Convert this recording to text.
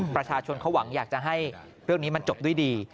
ประชาชนเขาหวังอยากจะให้เรื่องนี้มันจบด้วยดี